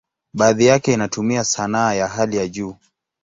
Baadhi yake inatumia sanaa ya hali ya juu.